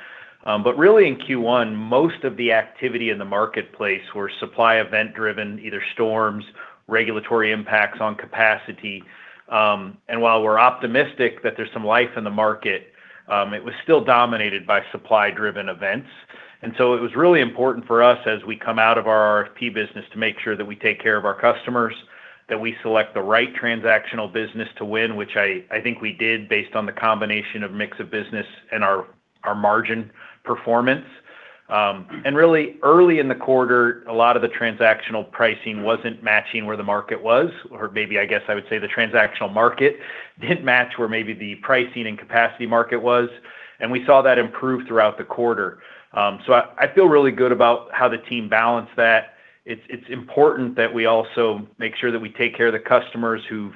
Really in Q1, most of the activity in the marketplace were supply event driven, either storms, regulatory impacts on capacity. While we're optimistic that there's some life in the market, it was still dominated by supply-driven events. It was really important for us as we come out of our RFP business to make sure that we take care of our customers, that we select the right transactional business to win, which I think we did based on the combination of mix of business and our margin performance. Really early in the quarter, a lot of the transactional pricing wasn't matching where the market was. Maybe, I guess I would say the transactional market didn't match where maybe the pricing and capacity market was. We saw that improve throughout the quarter. I feel really good about how the team balanced that. It's important that we also make sure that we take care of the customers who've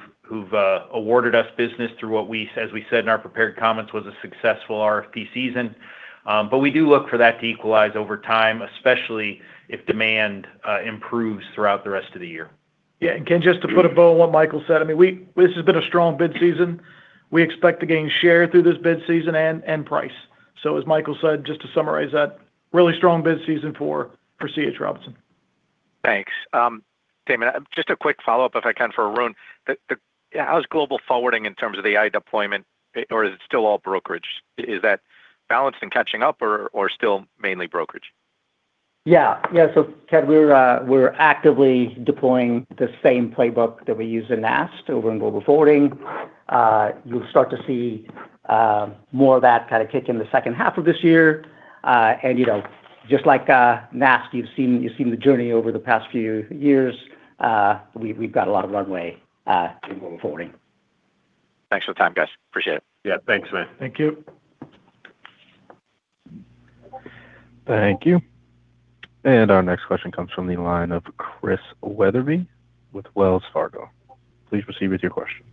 awarded us business through what we, as we said in our prepared comments, was a successful RFP season. We do look for that to equalize over time, especially if demand improves throughout the rest of the year. Yeah. Ken, just to put a bow on what Michael said, I mean, this has been a strong bid season. We expect to gain share through this bid season and price. As Michael said, just to summarize that, really strong bid season for C.H. Robinson. Thanks. Damon, just a quick follow-up, if I can, for Arun. How's C.H. Robinson Global Forwarding in terms of AI deployment, or is it still all brokerage? Is that balanced and catching up or still mainly brokerage? Yeah. Yeah. Ken, we're actively deploying the same playbook that we use in NAST over in global forwarding. You'll start to see more of that kind of kick in the second half of this year. You know, just like NAST, you've seen the journey over the past few years. We've got a lot of runway in global forwarding. Thanks for the time, guys. Appreciate it. Yeah. Thanks, man. Thank you. Thank you. Our next question comes from the line of Chris Wetherbee with Wells Fargo. Please proceed with your question.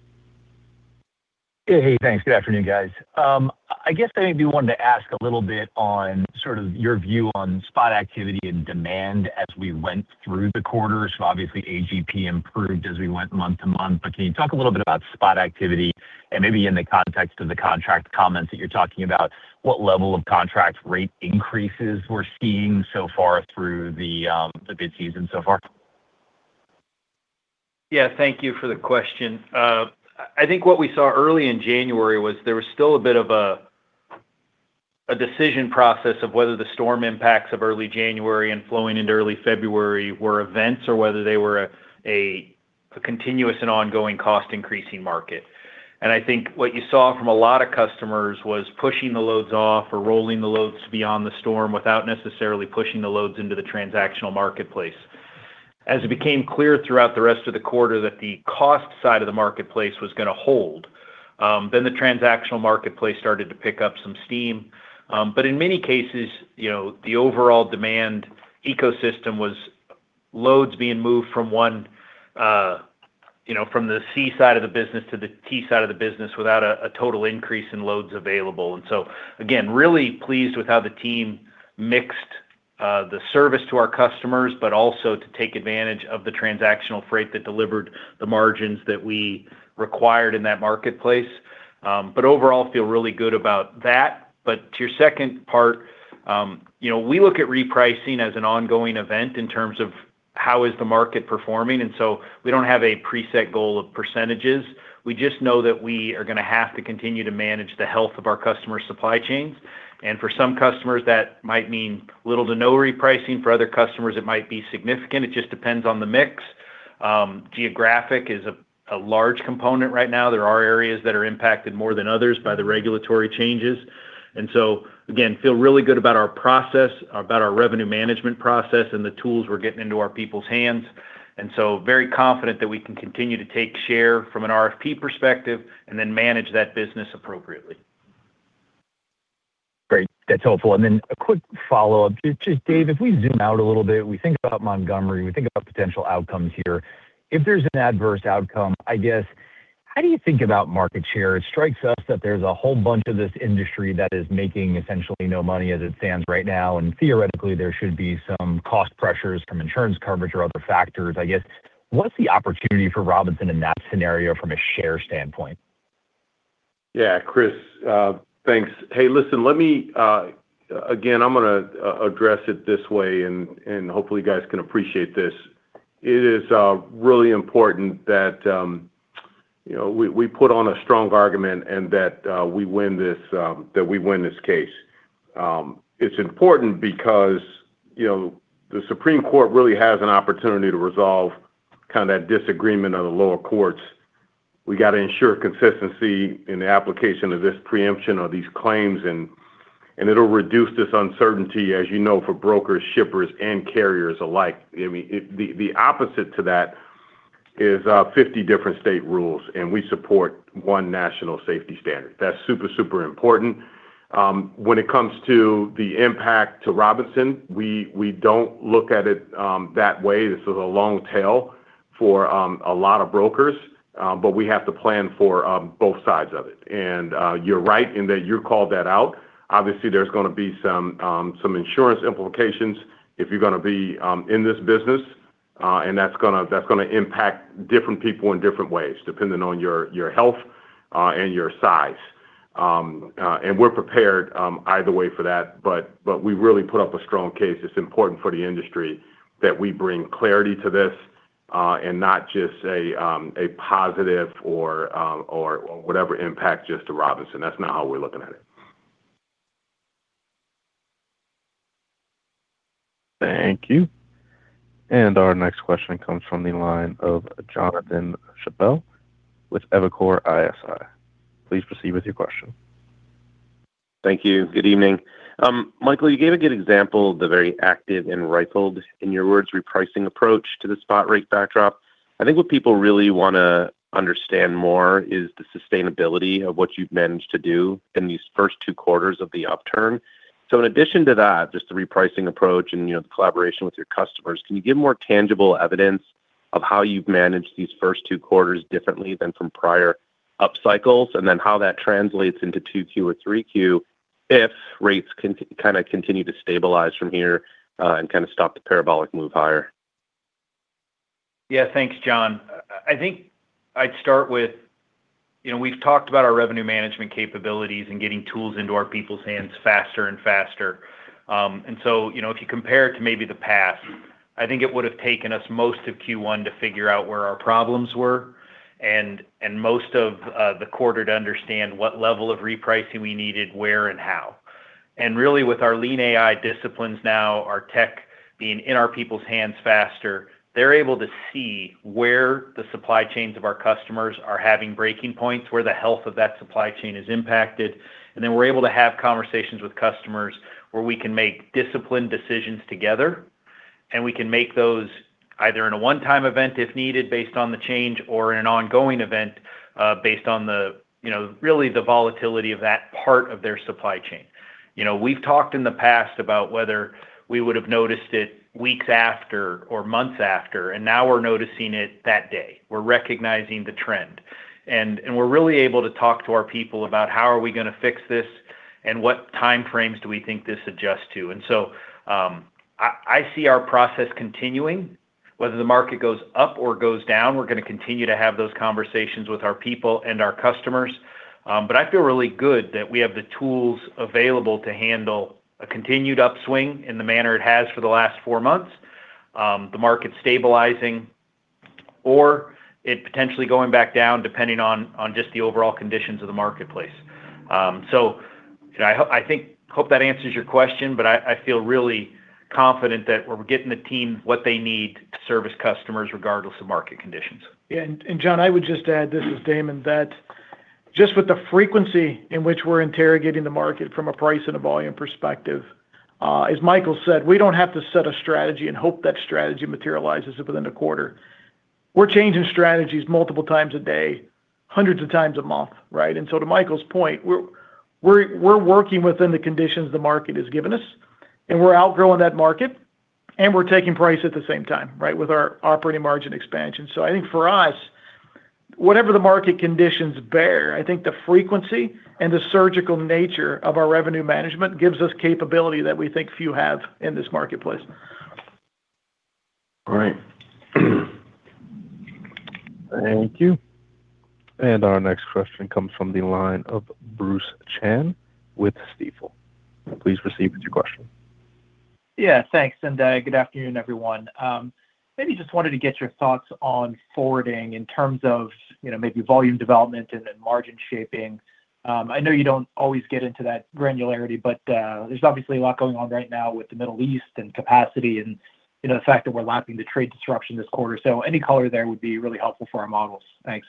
Hey, hey. Thanks. Good afternoon, guys. I guess I maybe wanted to ask a little bit on sort of your view on spot activity and demand as we went through the quarter. obviously AGP improved as we went month-to-month, but can you talk a little bit about spot activity and maybe in the context of the contract comments that you're talking about, what level of contract rate increases we're seeing so far through the bid season so far? Thank you for the question. I think what we saw early in January was there was still a decision process of whether the storm impacts of early January and flowing into early February were events or whether they were a continuous and ongoing cost increasing market. I think what you saw from a lot of customers was pushing the loads off or rolling the loads beyond the storm without necessarily pushing the loads into the transactional marketplace. As it became clear throughout the rest of the quarter that the cost side of the marketplace was gonna hold, the transactional marketplace started to pick up some steam. But in many cases, you know, the overall demand ecosystem was loads being moved from one, you know, from the C side of the business to the T side of the business without a total increase in loads available. Again, really pleased with how the team mixed the service to our customers, but also to take advantage of the transactional freight that delivered the margins that we required in that marketplace. Overall, feel really good about that. To your second part, you know, we look at repricing as an ongoing event in terms of how is the market performing. We don't have a preset goal of %. We just know that we are going to have to continue to manage the health of our customer supply chains. For some customers, that might mean little to no repricing. For other customers, it might be significant. It just depends on the mix. Geographic is a large component right now. There are areas that are impacted more than others by the regulatory changes. Again, feel really good about our process, about our revenue management process and the tools we're getting into our people's hands. Very confident that we can continue to take share from an RFP perspective and then manage that business appropriately. Great. That's helpful. Then a quick follow-up. Just Dave, if we zoom out a little bit, we think about Montgomery, we think about potential outcomes here. If there's an adverse outcome, I guess, how do you think about market share? It strikes us that there's a whole bunch of this industry that is making essentially no money as it stands right now. Theoretically, there should be some cost pressures from insurance coverage or other factors. I guess, what's the opportunity for Robinson in that scenario from a share standpoint? Yeah, Chris, thanks. Again, I'm gonna address it this way and hopefully you guys can appreciate this. It is really important that, you know, we put on a strong argument and that we win this case. It's important because, you know, the Supreme Court really has an opportunity to resolve kind of that disagreement of the lower courts. We got to ensure consistency in the application of this preemption or these claims, and it'll reduce this uncertainty, as you know, for brokers, shippers, and carriers alike. I mean, the opposite to that is 50 different state rules. We support one national safety standard. That's super important. When it comes to the impact to Robinson, we don't look at it that way. This is a long tail for a lot of brokers. We have to plan for both sides of it. You're right in that you called that out. Obviously, there's going to be some insurance implications if you're going to be in this business. That's going to impact different people in different ways, depending on your health. Your size. We're prepared either way for that, but we really put up a strong case. It's important for the industry that we bring clarity to this, not just a positive or whatever impact just to Robinson. That's not how we're looking at it. Thank you. Our next question comes from the line of Jonathan Chappell with Evercore ISI. Please proceed with your question. Thank you. Good evening. Michael, you gave a good example of the very active and rifled, in your words, repricing approach to the spot rate backdrop. I think what people really wanna understand more is the sustainability of what you've managed to do in these first two quarters of the upturn. In addition to that, just the repricing approach and, you know, the collaboration with your customers, can you give more tangible evidence of how you've managed these first two quarters differently than from prior up cycles? How that translates into 2Q or 3Q if rates kinda continue to stabilize from here and kinda stop the parabolic move higher. Yeah. Thanks, Jonathan. I think I'd start with, you know, we've talked about our revenue management capabilities and getting tools into our people's hands faster and faster. You know, if you compare it to maybe the past, I think it would have taken us most of Q1 to figure out where our problems were and most of the quarter to understand what level of repricing we needed, where, and how. Really with our Lean AI disciplines now, our tech being in our people's hands faster, they're able to see where the supply chains of our customers are having breaking points, where the health of that supply chain is impacted. Then we're able to have conversations with customers where we can make disciplined decisions together, and we can make those either in a one-time event if needed, based on the change, or in an ongoing event, based on the, you know, really the volatility of that part of their supply chain. You know, we've talked in the past about whether we would have noticed it weeks after or months after, and now we're noticing it that day. We're recognizing the trend. We're really able to talk to our people about how are we gonna fix this and what time frames do we think this adjusts to. So, I see our process continuing. Whether the market goes up or goes down, we're gonna continue to have those conversations with our people and our customers. I feel really good that we have the tools available to handle a continued upswing in the manner it has for the last four months, the market stabilizing or it potentially going back down, depending on just the overall conditions of the marketplace. You know, I hope that answers your question, but I feel really confident that we're getting the team what they need to service customers regardless of market conditions. Yeah. John, I would just add, this is Damon, that just with the frequency in which we're interrogating the market from a price and a volume perspective, as Michael said, we don't have to set a strategy and hope that strategy materializes within a quarter. We're changing strategies multiple times a day, hundreds of times a month, right? To Michael's point, we're working within the conditions the market has given us, and we're outgrowing that market, and we're taking price at the same time, right? With our operating margin expansion. I think for us, whatever the market conditions bear, I think the frequency and the surgical nature of our revenue management gives us capability that we think few have in this marketplace. All right. Thank you. Our next question comes from the line of Bruce Chan with Stifel. Please proceed with your question. Yeah. Thanks. Good afternoon, everyone. Maybe just wanted to get your thoughts on forwarding in terms of, you know, maybe volume development and then margin shaping. I know you don't always get into that granularity, but there's obviously a lot going on right now with the Middle East and capacity and, you know, the fact that we're lapping the trade disruption this quarter. Any color there would be really helpful for our models. Thanks.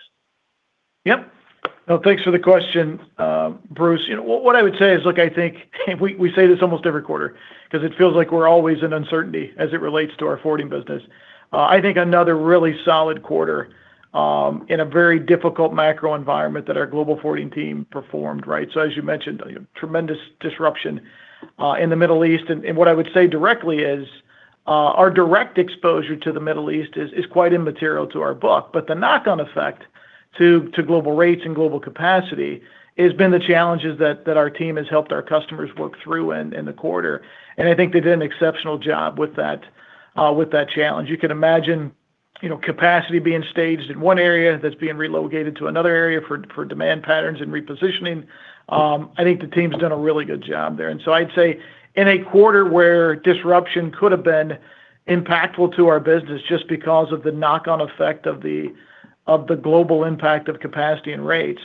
Yep. No, thanks for the question, Bruce. You know what I would say is, look, I think we say this almost every quarter because it feels like we're always in uncertainty as it relates to our forwarding business. I think another really solid quarter in a very difficult macro environment that our global forwarding team performed, right? As you mentioned, tremendous disruption in the Middle East. What I would say directly is our direct exposure to the Middle East is quite immaterial to our book. The knock-on effect to global rates and global capacity has been the challenges that our team has helped our customers work through in the quarter. I think they did an exceptional job with that, with that challenge. You can imagine, you know, capacity being staged in one area that's being relocated to another area for demand patterns and repositioning. I think the team's done a really good job there. I'd say in a quarter where disruption could have been impactful to our business just because of the knock-on effect of the global impact of capacity and rates,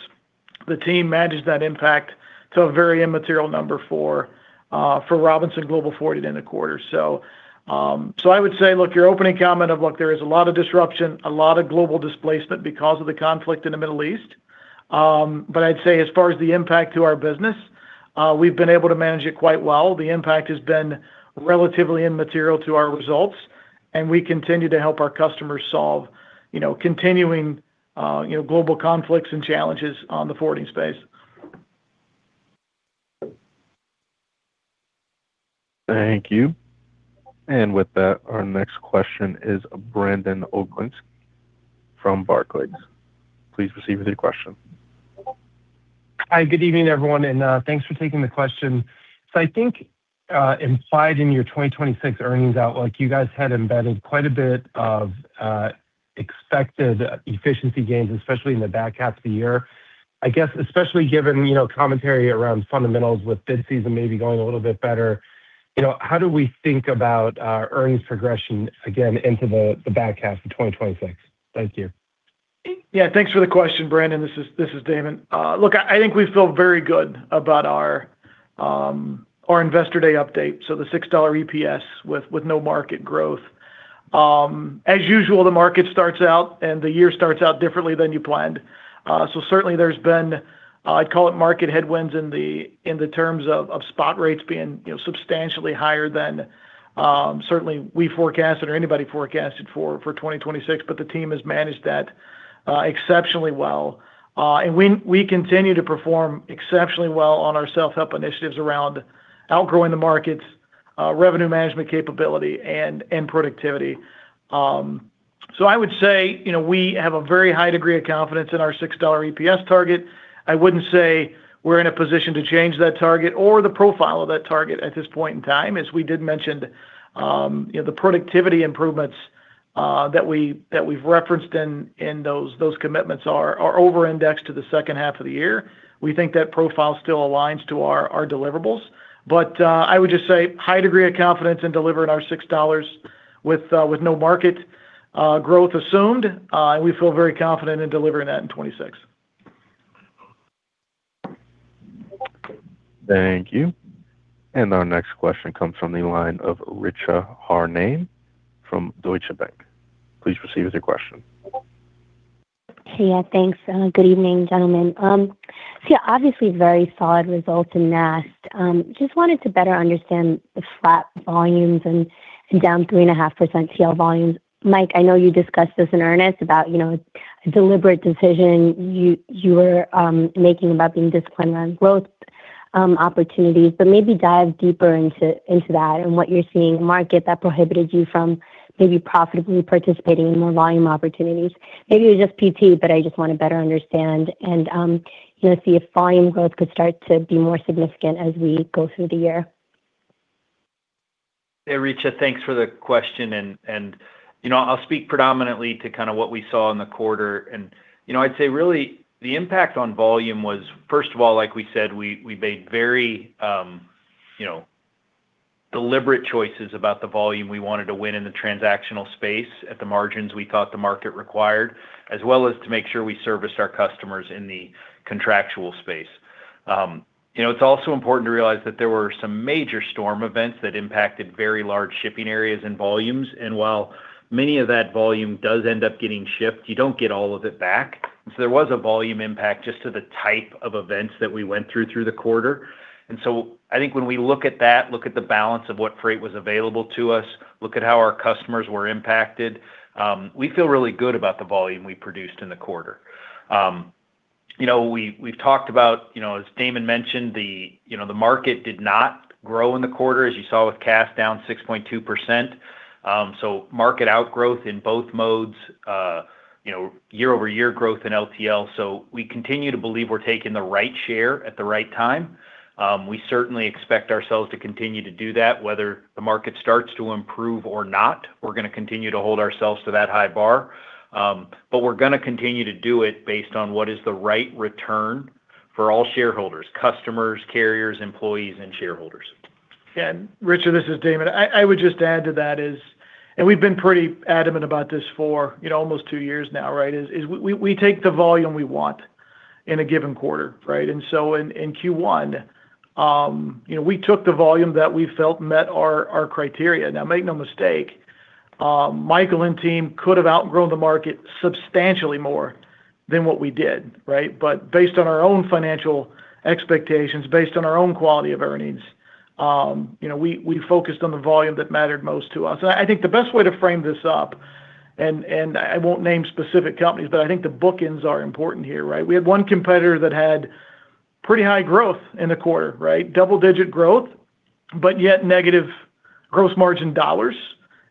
the team managed that impact to a very immaterial number for Robinson Global Forwarding in the quarter. I would say, look, your opening comment of, look, there is a lot of disruption, a lot of global displacement because of the conflict in the Middle East. I'd say as far as the impact to our business, we've been able to manage it quite well. The impact has been relatively immaterial to our results. We continue to help our customers solve, you know, continuing, you know, global conflicts and challenges on the forwarding space. Thank you. With that, our next question is Brandon Oglenski from Barclays. Please proceed with your question. Hi, good evening everyone, and thanks for taking the question. I think, implied in your 2026 earnings out, like you guys had embedded quite a bit of expected efficiency gains, especially in the back half of the year. I guess, especially given, you know, commentary around fundamentals with bid season maybe going a little bit better, you know, how do we think about our earnings progression again into the back half of 2026? Thank you. Thanks for the question, Brandon. This is Damon. I think we feel very good about our investor day update, the $6 EPS with no market growth. As usual, the market starts out and the year starts out differently than you planned. Certainly there's been, I'd call it market headwinds in the terms of spot rates being, you know, substantially higher than certainly we forecasted or anybody forecasted for 2026, the team has managed that exceptionally well. We continue to perform exceptionally well on our self-help initiatives around outgrowing the markets, revenue management capability and productivity. I would say, you know, we have a very high degree of confidence in our $6 EPS target. I wouldn't say we're in a position to change that target or the profile of that target at this point in time. As we did mention, you know, the productivity improvements, that we, that we've referenced in those commitments are over-indexed to the second half of the year. We think that profile still aligns to our deliverables. I would just say high degree of confidence in delivering our $6 with no market growth assumed. We feel very confident in delivering that in 2026. Thank you. Our next question comes from the line of Richa Harnain from Deutsche Bank. Please proceed with your question. Thanks. Good evening, gentlemen. Obviously very solid results in NAST. Just wanted to better understand the flat volumes and down 3.5% TL volumes. Mike, I know you discussed this in earnest about, you know, a deliberate decision you were making about being disciplined around growth opportunities, but maybe dive deeper into that and what you're seeing market that prohibited you from maybe profitably participating in more volume opportunities. Maybe it was just PT, I just want to better understand and, you know, see if volume growth could start to be more significant as we go through the year. Hey, Richa. Thanks for the question. You know, I'll speak predominantly to kind of what we saw in the quarter. You know, I'd say really the impact on volume was, first of all, like we said, we made very, you know, deliberate choices about the volume we wanted to win in the transactional space at the margins we thought the market required, as well as to make sure we serviced our customers in the contractual space. You know, it's also important to realize that there were some major storm events that impacted very large shipping areas and volumes. While many of that volume does end up getting shipped, you don't get all of it back. There was a volume impact just to the type of events that we went through through the quarter. I think when we look at that, look at the balance of what freight was available to us, look at how our customers were impacted, we feel really good about the volume we produced in the quarter. You know, we've talked about, you know, as Damon mentioned, you know, the market did not grow in the quarter, as you saw with Cass down 6.2%. Market outgrowth in both modes, you know, year-over-year growth in LTL. We continue to believe we're taking the right share at the right time. We certainly expect ourselves to continue to do that, whether the market starts to improve or not. We're going to continue to hold ourselves to that high bar. We're going to continue to do it based on what is the right return for all shareholders, customers, carriers, employees, and shareholders. Richa, this is Damon. I would just add to that is, we've been pretty adamant about this for, you know, almost two years now, right, is we take the volume we want in a given quarter, right? In Q1, you know, we took the volume that we felt met our criteria. Now, make no mistake, Michael and team could have outgrown the market substantially more than what we did, right? Based on our own financial expectations, based on our own quality of earnings, you know, we focused on the volume that mattered most to us. I think the best way to frame this up, and I won't name specific companies, I think the bookends are important here, right? We had one competitor that had pretty high growth in the quarter, right? Double-digit growth, yet negative gross margin dollars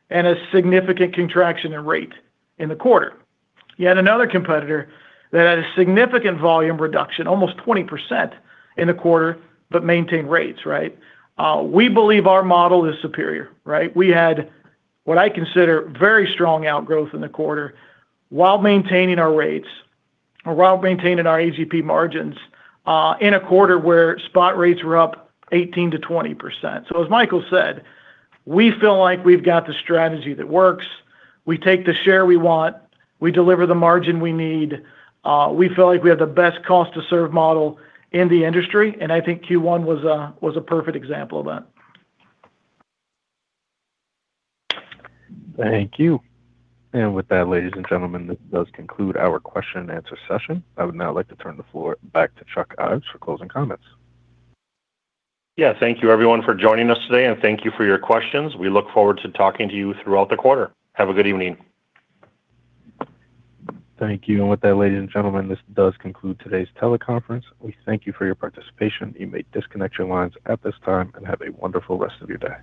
and a significant contraction in rate in the quarter. You had another competitor that had a significant volume reduction, almost 20% in the quarter, maintained rates, right? We believe our model is superior, right? We had what I consider very strong outgrowth in the quarter while maintaining our rates or while maintaining our AGP margins in a quarter where spot rates were up 18%-20%. As Michael said, we feel like we've got the strategy that works. We take the share we want, we deliver the margin we need. We feel like we have the best cost to serve model in the industry, I think Q1 was a perfect example of that. Thank you. With that, ladies and gentlemen, this does conclude our question and answer session. I would now like to turn the floor back to Chuck Ives for closing comments. Yeah. Thank you everyone for joining us today, and thank you for your questions. We look forward to talking to you throughout the quarter. Have a good evening. Thank you. With that, ladies and gentlemen, this does conclude today's teleconference. We thank you for your participation. You may disconnect your lines at this time, and have a wonderful rest of your day.